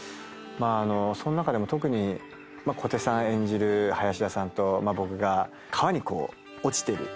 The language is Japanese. その中でも特に小手さん演じる林田さんと僕が川に落ちてるシーンがありまして。